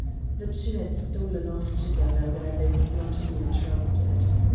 The two had stolen off together where they would not be interrupted.